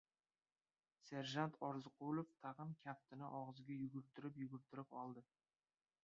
Serjant Orziqulov tag‘in kaftini og‘ziga yugurtirib-yugurtirib oldi.